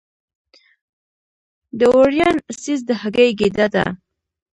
د اووریان سیسټ د هګۍ ګېډه ده.